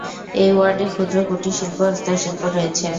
এই ওয়ার্ডে ক্ষুদ্র কুটির শিল্প ও হস্তশিল্প রয়েছে।